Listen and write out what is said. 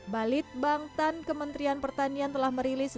balit bangtan kementerian pertanian telah merilis